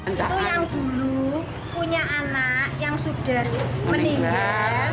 itu yang dulu punya anak yang sudah meninggal